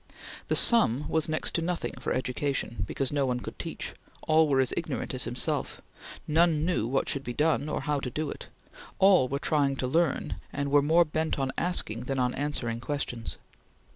The sum was next to nothing for education, because no one could teach; all were as ignorant as himself; none knew what should be done, or how to do it; all were trying to learn and were more bent on asking than on answering questions.